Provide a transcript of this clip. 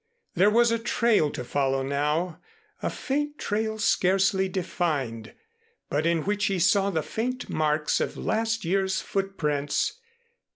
There was a trail to follow now, a faint trail scarcely defined, but in which he saw the faint marks of last year's footprints.